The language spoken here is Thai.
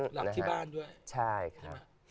หลับที่บ้านด้วยใช่ไหม